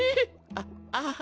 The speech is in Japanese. あっああ